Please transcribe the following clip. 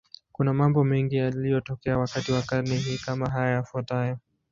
Kuna mambo mengi yaliyotokea wakati wa karne hii, kama haya yafuatayo.